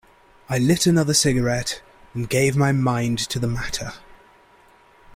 I lit another cigarette and gave my mind to the matter.